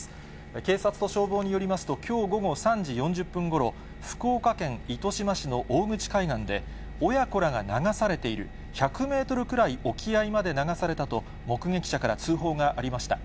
警察と消防によりますと、きょう午後３時４０分ごろ、福岡県糸島市の大口海岸で、親子らが流されている、１００メートルくらい沖合まで流されたと目撃者から通報がありました。